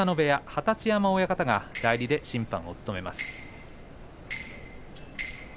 二十山親方が代理で審判を務めます。